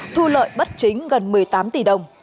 thu lợi bất chính gần một mươi tám tỷ đồng